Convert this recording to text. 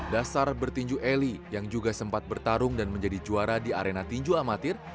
dasar bertinju eli yang juga sempat bertarung dan menjadi juara di arena tinju amatir